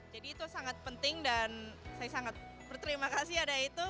jadi itu sangat penting dan saya sangat berterima kasih ada itu